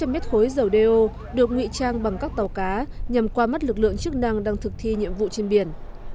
năm trăm linh mét khối dầu đeo được nguy trang bằng các tàu cá nhằm qua mắt lực lượng chức năng đang thực thi nhiệm vụ trên biển